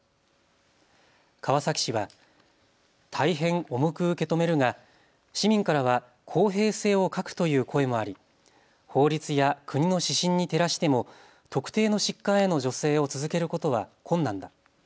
川崎市は、大変重く受け止めるが市民からは公平性を欠くという声もあり、法律や国の指針に照らしても特定の疾患への助成を続けることは困難だ。